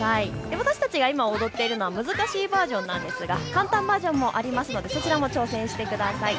私たちが今、踊っているのは難しいバージョンなんですが簡単バージョンもありますのでそちらも挑戦してください。